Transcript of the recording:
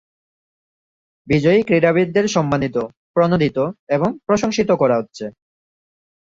বিজয়ী ক্রীড়াবিদদের সম্মানিত, প্রণোদিত, এবং প্রশংসিত করা হচ্ছে।